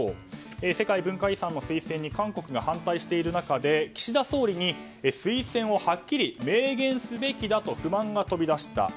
世界文化遺産の推薦に韓国が反対している中で岸田総理に推薦をはっきり明言すべきだと不満が飛び出した。